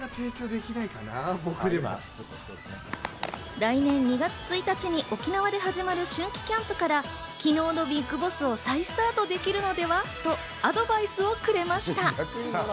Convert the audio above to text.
来年２月１日に沖縄で始まる春季キャンプからきのうのＢＩＧＢＯＳＳを再スタートできるのではとアドバイスをくれました。